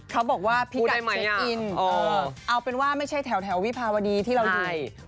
เขาบอกว่าพี่กัดเช็คอินเอาเป็นว่าไม่ใช่แถววิภาวดีที่เราอยู่